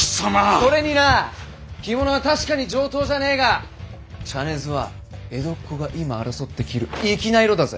それにな着物は確かに上等じゃあねえが茶ねずは江戸っ子が今争って着る粋な色だぜ！